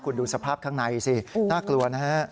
คุณดูสภาพข้างในสิน่ากลัวนะฮะ